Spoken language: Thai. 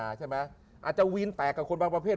อาจจะวีนแตกกับคนบางประเภท